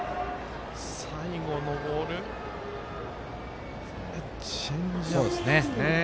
最後のボールチェンジアップですね。